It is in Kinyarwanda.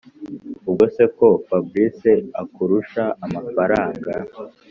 ubwo se ko fabric akurusha amafaranga